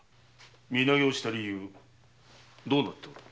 身投げをした理由どうなっておる？